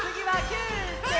９！